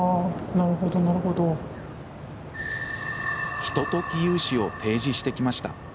ひととき融資を提示してきました。